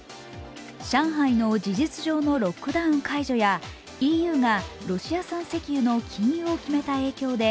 上海の事実上のロックダウン解除やＥＵがロシア産石油の禁輸を決めた影響で